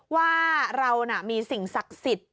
ว่าเรามีสิ่งศักดิ์สิทธิ์